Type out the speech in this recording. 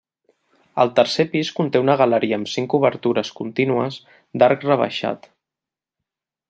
El tercer pis conté una galeria amb cinc obertures contínues d'arc rebaixat.